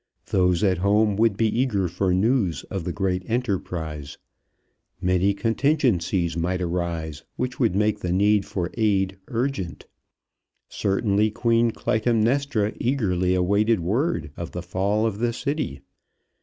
Those at home would be eager for news of the great enterprise. Many contingencies might arise which would make the need for aid urgent. Certainly Queen Clytemnestra eagerly awaited word of the fall of the city.